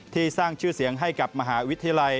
สร้างชื่อเสียงให้กับมหาวิทยาลัย